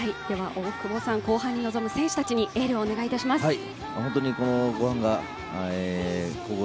大久保さん、後半に臨む選手たちにエールをお願いします。